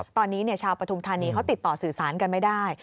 ตอนนี้ชาวปฐุมธานีเขาติดต่อสื่อสารกันไม่ได้